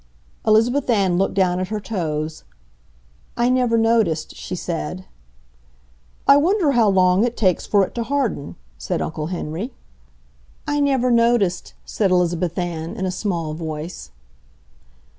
Elizabeth Ann looked down at her toes. "I never noticed," she said. "I wonder how long it takes for it to harden?" said Uncle Henry. "I never noticed," said Elizabeth Ann, in a small voice.